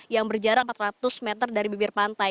yang berjarak empat ratus meter dari bibir pantai